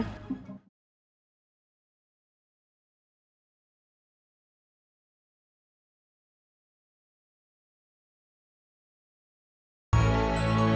came mau membayar demonstrasi